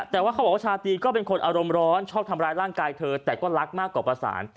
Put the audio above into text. แต่ว่าเขาบอกว่าชาตรีก็เป็นคนอารมณ์ร้อนชอบทำร้ายร่างกายเธอแต่ก็รักมากกว่าประสาน